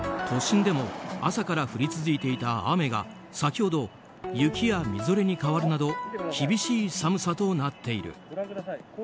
都心でも朝から降り続いていた雨が先ほど雪やみぞれに変わるなど厳しい寒さとなっている。